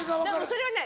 それはね